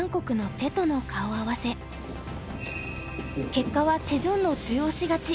結果はチェ・ジョンの中押し勝ち。